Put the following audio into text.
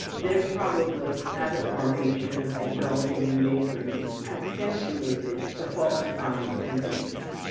Then, probably, habit formation of indulging in day dreams accentuated the falsifying tendency.